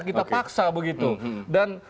kita paksa begitu dan